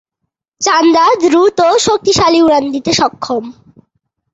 চান্দা দ্রুত ও শক্তিশালী উড়ান দিতে সক্ষম।